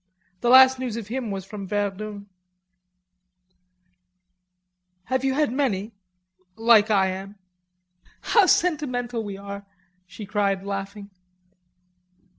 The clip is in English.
The last news of him was from Verdun." "Have you had many... like I am?" "How sentimental we are," she cried laughing.